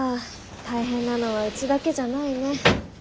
大変なのはうちだけじゃないね。